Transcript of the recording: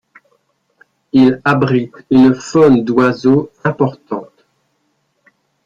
Il abrite une faune d'oiseaux importante.